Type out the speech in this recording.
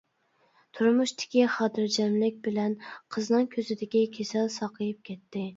تۇرمۇشتىكى خاتىرجەملىك بىلەن قىزنىڭ كۆزىدىكى كېسەل ساقىيىپ كەتتى.